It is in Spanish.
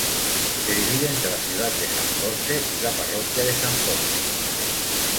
Se divide entre la ciudad de San Jorge y la parroquia de San Jorge.